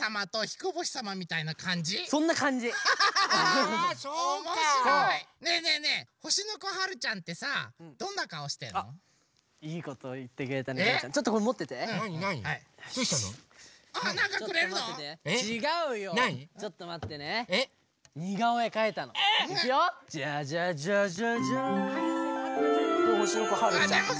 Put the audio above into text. これほしのこはるちゃん！